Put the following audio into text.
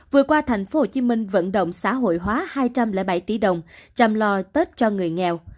vừa qua thành phố hồ chí minh vận động xã hội hóa hai trăm linh bảy tỷ đồng chăm lo tết cho người nghèo